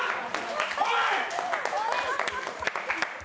おい！